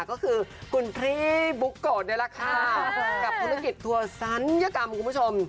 ก็คือคุณพี่บุ๊กโกะนี่แหละค่ะกับธุรกิจทัวร์ศัลยกรรมคุณผู้ชม